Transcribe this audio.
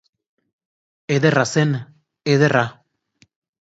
Ederra zen, ederra.